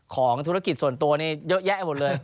ของธุรกิจส่วนตัวนี้เยอะแยะไปหมดเลย